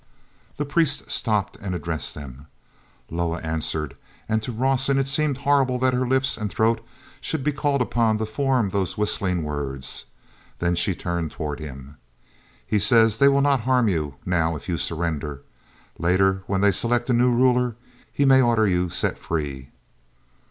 he priest stopped and addressed them. Loah answered; and to Rawson it seemed horrible that her lips and throat should be called upon to form those whistling words. Then she turned toward him. "He says they will not harm you now if you surrender. Later, when they select a new ruler, he may order you set free."